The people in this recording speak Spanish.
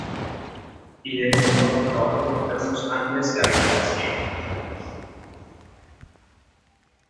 Y desde entonces trabaja como actor en Los Ángeles, California.